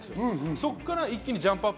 そこから一気にジャンプアップ。